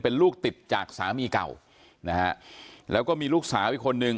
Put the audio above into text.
เป็นลูกติดจากสามีเก่านะฮะแล้วก็มีลูกสาวอีกคนนึง